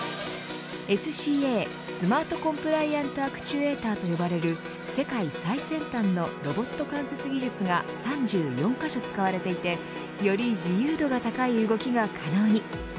ＳＣＡスマート・コンプライアント・アクチュエーターと呼ばれる世界最先端のロボット間接技術が３４カ所使われていてより自由度が高い動きが可能に。